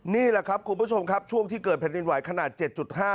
นี่แหละครับคุณผู้ชมครับช่วงที่เกิดแผ่นดินไหวขนาด๗๕